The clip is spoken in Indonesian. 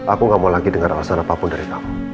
aku gak mau lagi dengar alasan apapun dari kamu